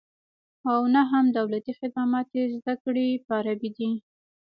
او نه هم دولتي خدمات یې زده کړې په عربي دي